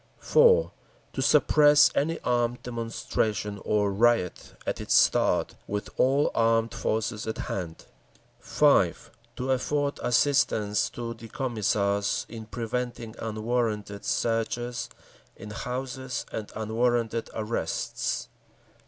4. To suppress any armed demonstration or riot at its start, with all armed forces at hand. 5. To afford assistance to the Commissars in preventing unwarranted searches in houses and unwarranted arrests.